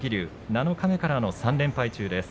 七日目からの３連敗中です。